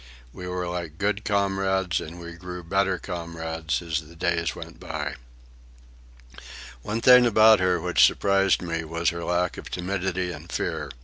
We were like good comrades, and we grew better comrades as the days went by. One thing about her which surprised me was her lack of timidity and fear.